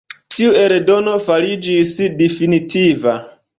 Tiu eldono fariĝis definitiva.